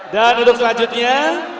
dan untuk selanjutnya